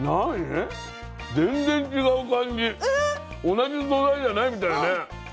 ⁉同じ素材じゃないみたいね。